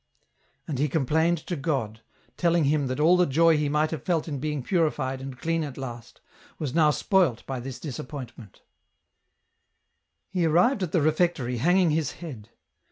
And he complained to God, telling Him that all the joy he might have felt in being purified and clean at last, was now spoilt by this disappointment. EN ROUTE. 20I He arrived at the refectory hanging his head.